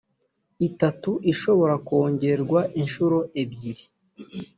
itatu ishobora kongerwa inshuro ebyiri